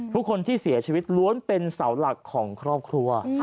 ทุกคนที่เสียชีวิตล้วนเป็นเสาหลักของครอบครัว